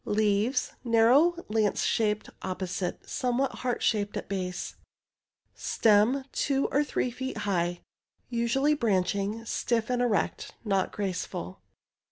Leaves— narrow, lance shaped— opposite— somewhat heart shaped at base. Stems— two to three feet high— usually branching— stiff and erect— not graceful.